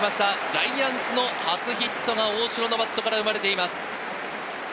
ジャイアンツの初ヒットが大城のバットから生まれています。